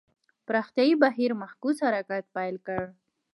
پراختیايي بهیر معکوس حرکت پیل کړ.